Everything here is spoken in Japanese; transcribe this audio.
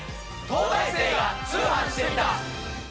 『東大生が通販してみた！！』